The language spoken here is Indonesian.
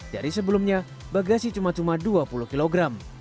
dari sebelumnya bagasi cuma cuma dua puluh kg